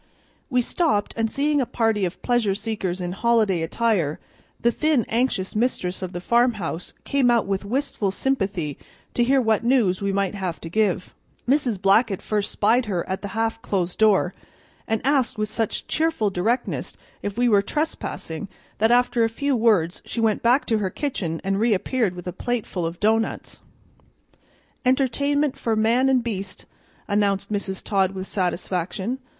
We stopped, and seeing a party of pleasure seekers in holiday attire, the thin, anxious mistress of the farmhouse came out with wistful sympathy to hear what news we might have to give. Mrs. Blackett first spied her at the half closed door, and asked with such cheerful directness if we were trespassing that, after a few words, she went back to her kitchen and reappeared with a plateful of doughnuts. "Entertainment for man and beast," announced Mrs. Todd with satisfaction.